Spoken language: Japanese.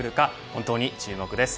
本当に注目です。